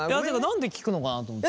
なんで聞くのかなと思って。